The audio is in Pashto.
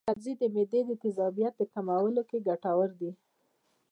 دا سبزی د معدې د تیزابیت کمولو کې ګټور دی.